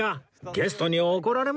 ゲストに怒られますよ